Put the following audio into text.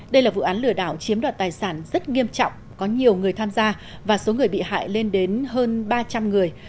đây là vụ án lừa đảo chiếm đoạt tài sản rất nghiêm trọng có nhiều người tham gia và số người bị hại lên đến hơn ba trăm linh người